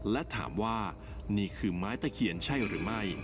และถามว่านี่คือไม้ตะเคียนใช่หรือไม่